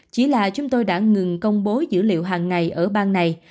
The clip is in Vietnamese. chỉ là chúng tôi đã ngừng công bố dữ liệu hàng ngày ở bang này